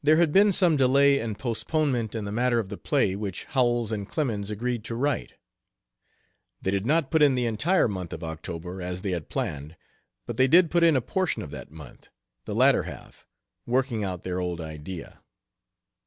C. There had been some delay and postponement in the matter of the play which Howells and Clemens agreed to write. They did not put in the entire month of October as they had planned, but they did put in a portion of that month, the latter half, working out their old idea.